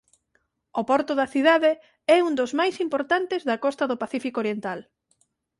O porto da cidade é un dos máis importantes da costa do Pacífico Oriental.